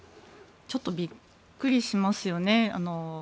ちょっとびっくりしますよね。